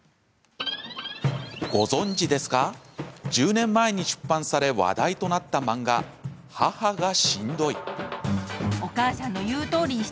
１０年前に出版され話題となった漫画「母がしんどい」。